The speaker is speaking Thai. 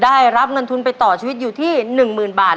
ได้รับเงินทุนไปต่อชีวิตอยู่ที่๑๐๐๐บาท